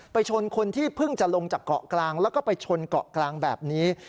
ชนคนที่เพิ่งจะลงจากเกาะกลางแล้วก็ไปชนเกาะกลางแบบนี้